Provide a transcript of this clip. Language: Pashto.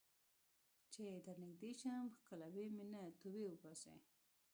چې درنږدې شم ښکلوې مې نه ، توبې وباسې